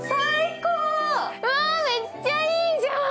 うわ、めっちゃいいじゃん！